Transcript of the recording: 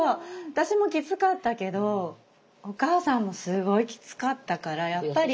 私もきつかったけどお母さんもすごいきつかったからやっぱり。